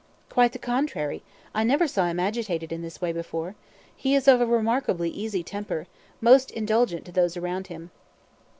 "Quite the contrary. I never saw him agitated in this way before. He is of a remarkably easy temper most indulgent to those around him."